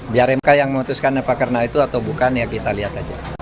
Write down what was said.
biar mk yang memutuskan apa karena itu atau bukan ya kita lihat aja